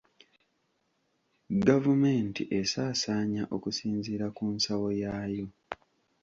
Gavumenti esaasaanya okusinzira ku nsawo yaayo.